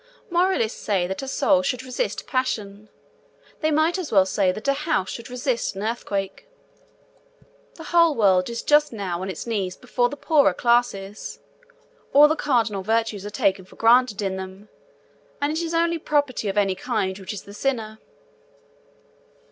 Moralists say that a soul should resist passion. They might as well say that a house should resist an earthquake. The whole world is just now on its knees before the poorer classes: all the cardinal virtues are taken for granted in them, and it is only property of any kind which is the sinner.